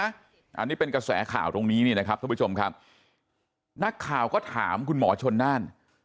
อันนี้เป็นกระแสข่าวตรงนี้นะครับนักข่าวก็ถามคุณหมอชนน่าน